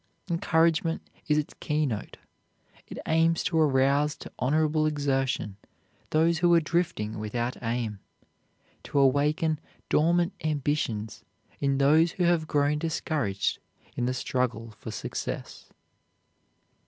Encouragement is its keynote; it aims to arouse to honorable exertion those who are drifting without aim, to awaken dormant ambitions in those who have grown discouraged in the struggle for success.